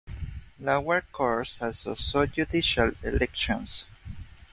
Lower courts also saw judicial elections.